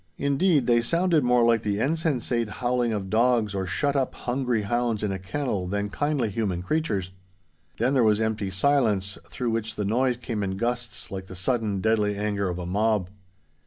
Indeed they sounded more like the insensate howling of dogs or shut up hungry hounds in a kennel than kindly human creatures. Then there was empty silence, through which the noise came in gusts like the sudden, deadly anger of a mob.